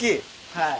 はい。